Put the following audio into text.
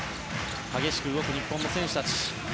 激しく動く日本の選手たち。